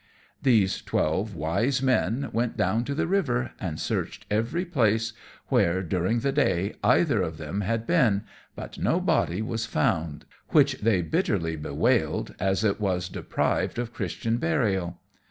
These twelve wise men went down to the river, and searched every place where, during the day, either of them had been, but no body was found, which they bitterly bewailed, as it was deprived of Christian burial.